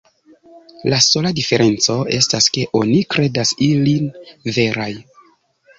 La sola diferenco estas, ke oni kredas ilin veraj.